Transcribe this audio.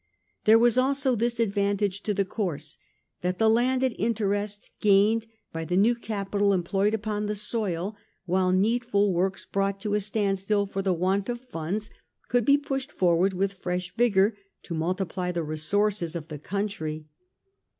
There was also this advantage in the course, that the landed interest gained by the new capital em ployed upon the soil, while needful works, brought to a standstill for the want of funds, could be pushed forward with fresh vigour, to multiply the resources . of the country.